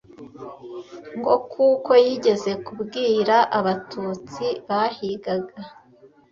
ngo kuko yigeze kubwira abatutsi bahigaga